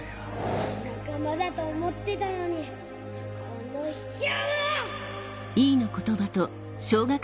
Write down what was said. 仲間だと思ってたのにこの卑怯者！